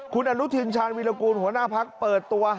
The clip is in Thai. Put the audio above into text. คุณอนุทินชาญวิรากูลหัวหน้าพักเปิดตัว